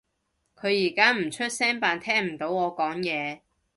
佢而家唔出聲扮聽唔到我講嘢